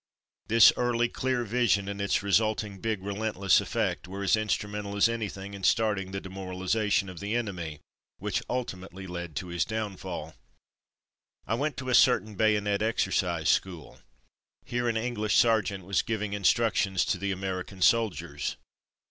This early, clear vision and its resulting big relentless effect were as instrumental as anything in start ing the demoralization of the enemy which ultimately led to his downfall. I went to a certain bayonet exercise school. Here an English sergeant was giving instruction to the American soldiers.